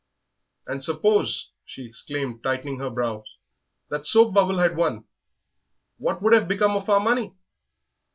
"And suppose," she exclaimed, tightening her brows, "that Soap bubble had won, what would have become of our money?"